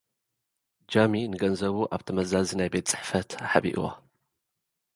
ጃሚ ንገንዘቡ ኣብ ተመዛዚ ናይ ቤት ጽሕፈት ሓቢኡዎ።